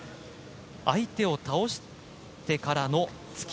相手を倒してからの突き。